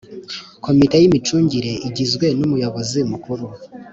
Komite y imicungire igizwe n Umuyobozi Mukuru